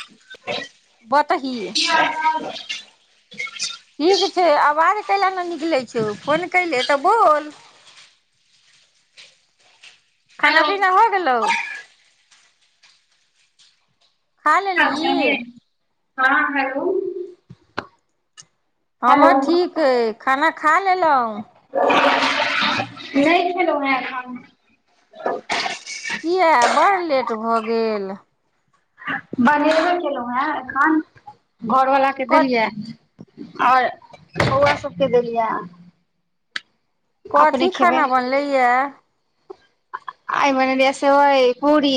[unintelligible] बतही [unintelligible] ठीक छै आवाज काइले नऽ निकलै छौ फोन कले तऽ बोल खाना हाल पीना हो गेलौ खा ललही चाल ये। हँ हेलो हेलो हमर ठीक अइ खाना खा लेलहुँ नहि खेलो हन अखन कििया बड़ लेट भऽ गेल बनेबे केलहुँ हेँ एखन घरवला कऽ क देलियै आओर बऊआ सबके देलियै अपने कथी खेबै खाना बनले यए आइ बनेले रहिये सेबय पुररी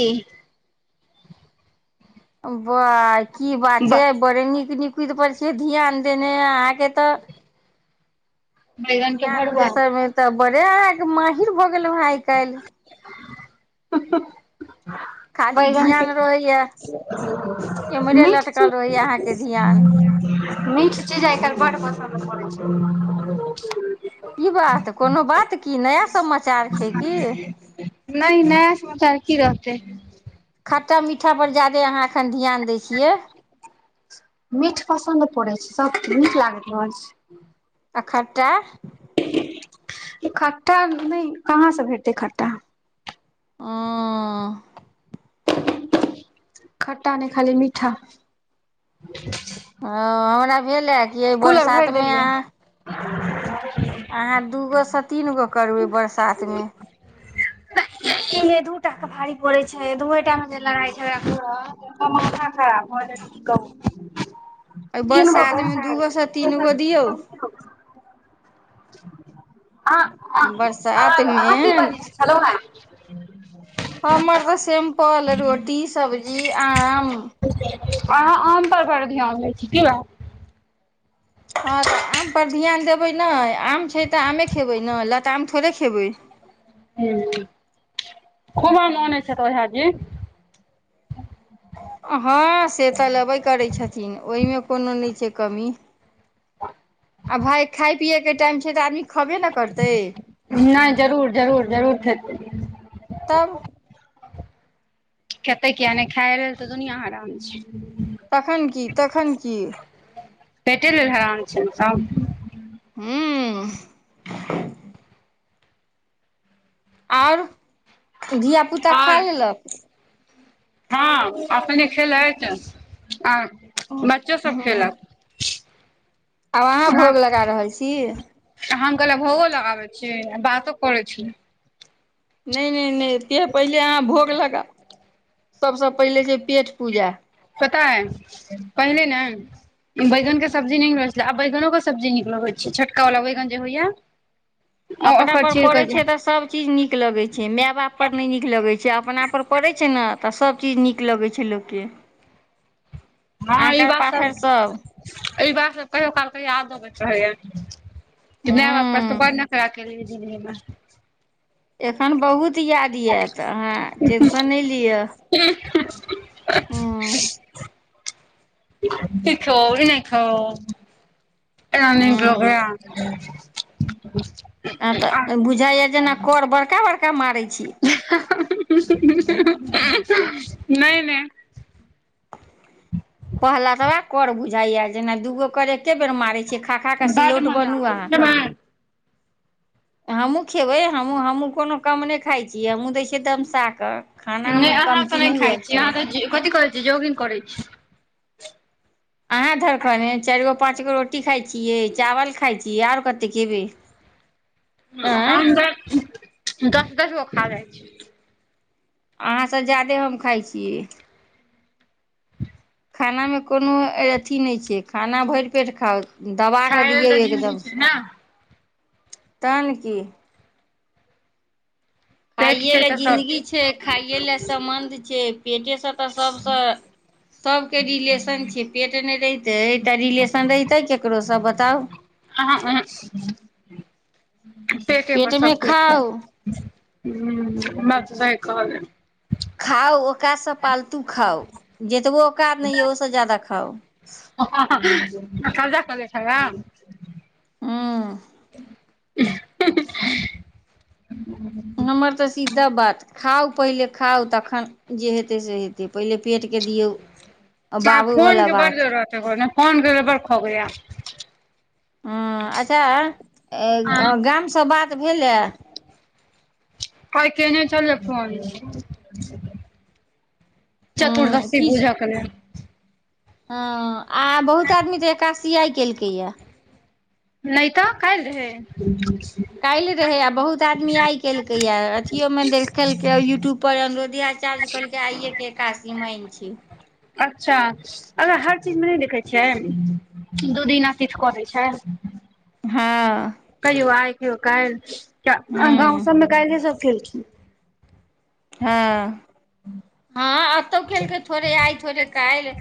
बा की बात छै बड़े नीक निकुत पर छिय ध्यान देने अहाँके तऽ बैगन के ध्यान भरुआ देसर मे तऽ बड़े आके महिर भऽ गेलू हं आइ काल्हि [unintelligible] खाली बैगन के ध्यान रहैया एम्हरे मिठ लटकल रहैया चीज अहाँके ध्यान [unintelligible] मीठ चीज आइ काल्हि बड्ड पसन्द पड़ैत छैय की बात कोनो बात की नया समाचार छै की नहि नहि नया समाचार की रहतै खट्टा मीठा पर ज्यादा अहाँ एखन ध्यान दैय छियै मीठ पसन्द पड़ैत छै सबके नीक लागैत रहल छै आ खट्टा खट्टाा नहि कहाँसँ भेटतै खट्टा ओ खट्टा नेय खाली मीठा ओ हमरा भेल अय कि अय कूलर भैर बरसातमे देलियै अहाँ [unintelligible] अहाँ दूगो सँ तीन गो करबै ई बरसातमे अइमे दूटा तऽ भारी पड़े छै दूए टा मे जे लड़ाई झगरा करत माथा खराब भऽ जायत कि कहु अय बरसात मऽ दूगो सऽ तीन गो दियौ [unintelligible] बरसातमे खेलों हैं हमर तऽ सिम्पल रोटी सब्जी आम अहाँ आम पर बड़ ध्यान दै छी कि बात हँ तऽ आम पर्र ध्यान देबै नय आम छै तऽ आमे खेबै नऽ लताम थोड़े खेबै हूं खूब आम ओनै छैथ ओझाजी हँ से तऽ लेबे करै छथिन ओहिमे कोनो नहि छै कमी आ भाय खाय पियएके टाइम छैय तऽ आदमी खबे नऽ करतै नहि जरूर जरूर जरूर खेतै तब खेतै किए नहि खाइये लेल तऽ दुनिआँ हरान छै तखन की तखन की पेटेलेल हरान छै नऽ सभ हूं आओर धियापुता खा आओर लेलक हँ अपने खेलैथ आ बच्चो सभ हूँ खेलक आब अहाँ हम भोग लगा रहल छी हम कहलि भोगो लगाबै छी आ बातो करै छी नहि नहि नहि सेह पहिले अहाँ भोग लगाउ सभसँ पहिले छैय पेट पूजा पता अय पहिले नऽ बैंगन के सब्जी नै नीकलगैत छलै आब बैगनो कऽ सब्जी नीक लगैत छै छोटका बला बैगन जे होइया [inaudible] अपना पर छील पड़े के जे छै तऽ सभ सभ चीज नीक लगै छै माय बाप पर नहि नीक लगै छै अपना पर पड़ै छै नऽ तऽ सभ चीज नीक लगै छै लोकके के हँ ई बात पाथर सच सभ ई बातसभ कहियो काल कऽ याद आबैत रहैए कि मैबाप पर तऽ हूँ बड़ नखरा केलि जिन्दगीमे एखन बहुत याद आयतऽ अहाँ टेन्शन नहि लिअ हूँ [unintelligible] [unintelligible] एना नऽ निक हूँ लगैय यऽ आहाँ तऽ बुझाइए जेना की बड़का बड़का मारै छी नहि नहि पहला तऽा कर बुझाइया जेना दूगो कर एके बेर मारे छियै खा खा कऽ बडड सिलौट मजा बनू आबे छैय अहाँ खबैय हमहूँ खेबै हमहूँ हमहूँ कोनो कम नहि खाइ छीियै हमहूँ दै छियै दमसा कऽ नहि खानामे अहाँ तऽ कमती नहि खाइ हुअके छीियै अहाँ चाही त कथि करै छीै जोगिंग करै छी अहाँ धरखन चारि गो पाँच गो रोटी खाइ छियै चावल खााय छियै आर कतेक खेबै आँय हम दस दस दस गो खा जाइ छी अहाँसँ ज्यदे हम खाइ छियै खानामे कोनो अथी नहि छै खाना भरि पेट खाउ दबा कऽ खाय लेल दियौ तऽ जिन्दगी छै ने एकदमसँ तहन की पेट खाइए छै लए तऽ सब जिंगी छै खाइए लए सम्बन्ध छै पेटेसँ तऽ सबसँ सबके रिलेशन छियै पेट नहि रहितै तऽ रिलेशन रहितै केकरोसँ बताउ आ आ पेटेपर सब पेटमे कोय छै खाउ ह बात तऽ सही कहलियै खाउ ओकातसँ पालतू खाउ जतबो ओकाद नहि यऽ ओसँ जादा खाउ [inaudible] हँ [inaudible] हमर तऽ सीधा बात खाउ पहिले खाउ तखन जे हेतै से हेतै पहिले पेटके दियौ फोन बाबूवला के बड़ बात जरूरत हय को फोन के [inaudible] ह अच्छा गाम से बात भेलए कइ केने छले फोन उ चतुर्दशी पूजा क लेल ह आ बहुत आदमी तऽ एकाशि आय केलकै यए नहि तऽ काल्हि रहै [inaudible] काल्हि रहे आ बहुत आदमी आय केलकै ये अथियो में देखलक यूट्यूब पर अनुरोध्याचारज कहलकै आइये के एकादशी माइन छै अच्छा अगर हर चीज मे नहि देखै छियै दू दिना किछ कऽ दै छै हँ कहियो आइ कहियो काल्हि गाँंव हूँ सबमे काल्हिे सब केलखिन हँ हँ एतहु केलकै थोड़े आइ थोड़े काल्हि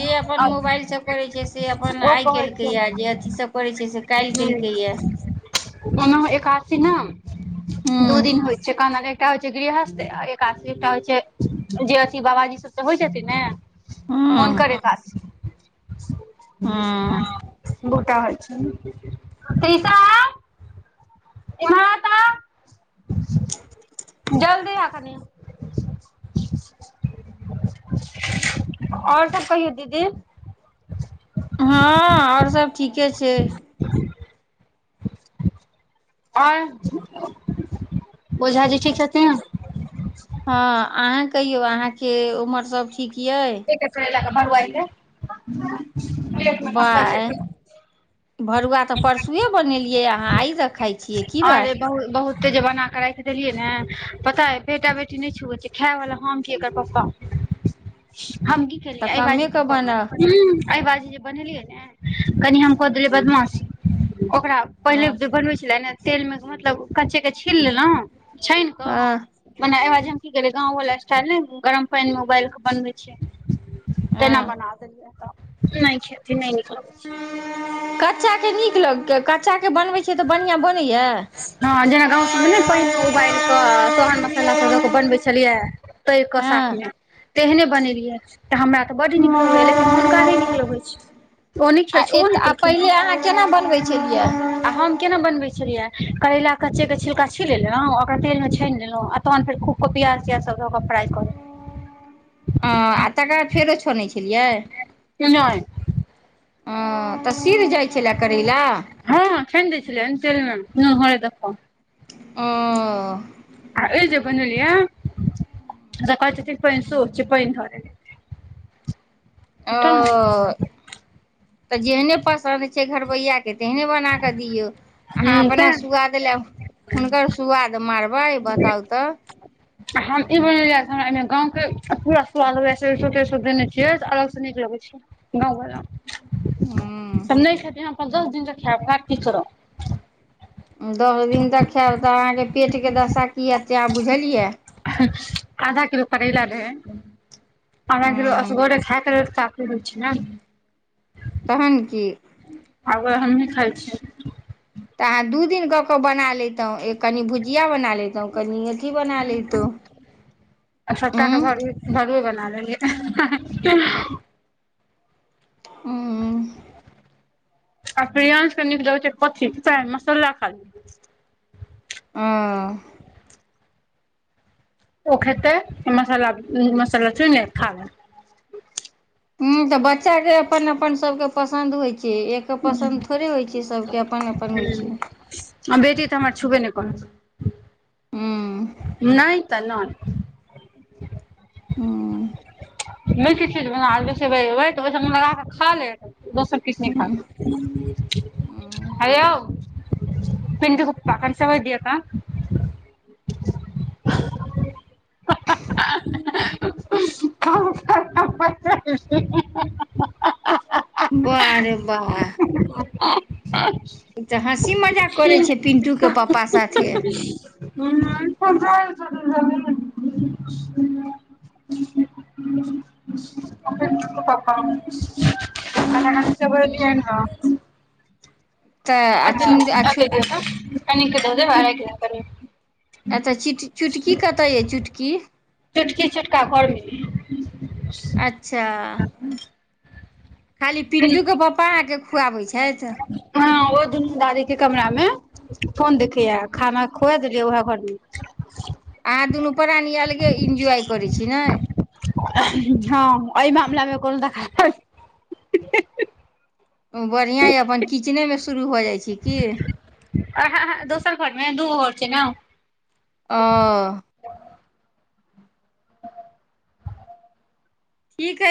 जे अपन मोबाइल सब करै छै से अपन ओ आय कहै केलकै छै य जे अथी सब करै छै से काल्हि केलकै यए ओना एकादशी न दू हूँ दिन होय छै कान एकटा होइ छै गृहस्थ आ एकादशी एकटा होइ छै जे अथी बाबाजी सब त होइ छथिन ने हूँ हुनकर एकादशी हूँ गोटा होय छै [inaudible] आओर तब कहियौदीदी हँ और सब ठीके छै ह आओर ओझाजी ठीक छथिन हँ अहाँ कहियौ अहाँके उमर सब ठीक यै च भरआ बाय भरुआ तऽ परसुए बनेलियै अहाँ आइ र खाइ छियै की बात ब बहुते जे बना के राखि देलियै ने पता है बेटा - बेटी नहि छुएै छै खाय वाला हम छी आ एकर पप्पा। हम की तऽ केलियै एहि बाजी कमे की के कहल बनाउ ह एहि बाजी जे बनेलियै ने कनि हम कऽ देलियै बदमाशी ओकरा पहिले हँ जे बनबै छलै ने तेल मे मतलब कच्चे के छील लेलहुँ छानि हँ कऽ मने आज हम की करिलियै गांव वाला स्टाइल में गरम पानि में उबाइल के बनबै छिय। केना हँ बना देलियै तऽ नहि खेती नहि निकलबै। कच्चाके नीक लगतय? कच्चाके बनबैत छियै तऽ बढ़िआँ बनैया? हँ जेना गाँव सभमे में पानिमे उबालि कऽ तहन मसाला सभ दऽ कऽ बनबैत छलियै। तर क हँ साथमे तेहने बनेलियै। तऽ हमरा तऽ बड्ड नीक लगैया लेकिन हुनका नहि नीक लगैत छै। ओ नहि आ खेल ए छुबो नहि आ केलखिन पहिले अहाँ केना बनबै छलियै? आ हम केना बनबे छलियै? करैला कच्चे के छिलका छील लेललों ओकरा तेल में छानि लेलहु आ तहन फेर खूब कऽ प्याज सब दअ कऽ [unintelligible] हँ आ तकरा फेरो छोनै छलियै? लेलहुँ नहि हँ तऽ सिझ जाइ छलए करैला? हँ छैन दैे छलिऐन [unintelligible] ओ आ एहि जे बनलिया जे कहे छथिन पंसोह छै पैयन धर ओ हँ तऽ जेहने पसन्द छै घरबैय कऽ तेहने बना कऽ दियौ। अहाँ अपना तैं सुआद हुनकर सुआद मारबै बताउ तऽ? हम ई बनेलिय से हमरा एहिमे गाँंम के पूरा स्वाद हो देने छियै अलग से नीक लगे छैये गाँव वला हूँ नहि खेते यह प दस दिन के खाय क करोो [unintelligible] दस दिन तक खायब तऽ अहाँके पेटके दशा की हतै आब बुझलियै। आधा किलो करैला रहै। आधा किलो हूँ असगोरे खायके रह होय छै नऽ [unintelligible] तहन कि अगबे हमही खाइ छियै। तऽ अहाँ दू दिन कऽ के बना लेैतो। एक कनी भुजिया बना लेैतहु। तब कनिया अथि बनाल्हि तू? ह भसऐ बना लेलये [unintelligible] हू आ प्रियांश कऽ निक लगे छै कथी मसाला खाली आ ओ खेतै मसाला - मसाला चुइने कऽ खा लैत। हऽ तऽ बच्चाके अपन अपन सभके पसन्द होइत छै। एक के पसन्द थोड़े होइत छै। सभके अपन अपन होइ छै। आ बेटी तऽ हमर छुबे नहि करत हू नहि तऽ नहि। हू निक चीज बना देबे सेबय उबे तऽ ओय संग लगा कऽ खा लेत [unintelligible] दोसर किछु नहि खा। हयो [unintelligible] कनि सेबय दििय तऽ [unintelligible] [unintelligible] [unintelligible] [unintelligible] बारे बाह ई तऽ हँसी मजाक करै छैय पिन्टूके पप्पा साथे। [unintelligible] [unintelligible] [unintelligible] [unintelligible] तऽ आ चिन आ छु [unintelligible] अच्छा चिट चुटकी कतऽ अइ चुटकी चोटकी चुटका घर मे अय ह अच्छा खाली पिंटू के पप्पा अहाँके खुआबै छथि हँ ओ दुनू दादि के कमरा मे फोन देखैया खाना खुए देलियै उएह घर मे आंहा दुनू प्राणी अलगे इन्जॉय करै छी नय हँ अय मामला मे कोनो दखल बढ़िया य अपन किचने मे शुरू हो जाइ छै की आ हँ ह दोसर घर मे दू घर छै न अऽ ठीक हय